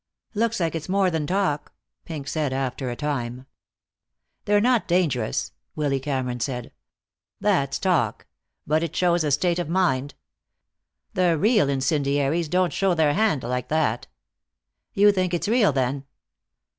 "Looks like it's more than talk," Pink said, after a time. "They're not dangerous," Willy Cameron said. "That's talk. But it shows a state of mind. The real incendiaries don't show their hand like that." "You think it's real, then?"